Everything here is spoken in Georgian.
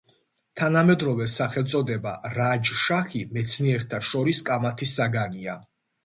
თანამედროვე სახელწოდება „რაჯშაჰი“ მეცნიერთა შორის კამათის საგანია.